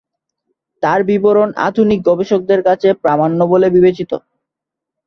তার বিবরণ আধুনিক গবেষকদের কাছে প্রামাণ্য বলে বিবেচিত।